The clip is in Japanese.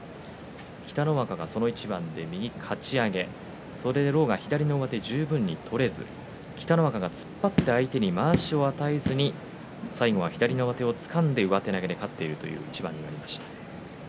北の若がその一番で右かち上げそれで狼雅は左の上手を十分に取れず北の若が突っ張って相手にまわしを与えずに最後は左の上手をつかんで上手投げで勝っているという一番になりました。